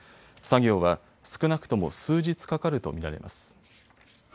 作業は少なくとも数日かかると見られます。